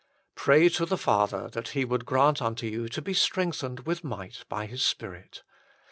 Pray to the Father that He would grant unto you to be strengthened with might by His Spirit.